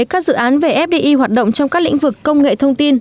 các dự án về fdi hoạt động trong các lĩnh vực công nghệ thông tin